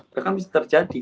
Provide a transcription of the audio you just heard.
bahkan bisa terjadi